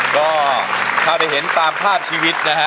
ก็ถ้าได้เห็นตามภาพชีวิตนะฮะ